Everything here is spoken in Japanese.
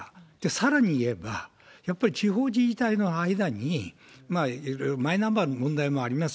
さらに言えば、やっぱり地方自治体の間にマイナンバーの問題もあります。